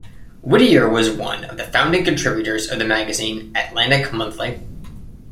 Whittier was one of the founding contributors of the magazine "Atlantic Monthly".